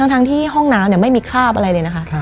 ทั้งที่ห้องน้ำไม่มีคราบอะไรเลยนะคะ